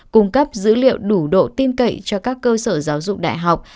cung cấp dữ liệu đủ độ tin cậy cho các cơ sở giáo dục đại học